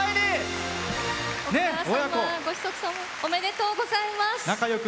お母様、ご子息おめでとうございます。